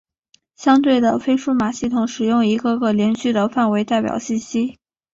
相对的非数码系统使用一个个连续的范围代表信息。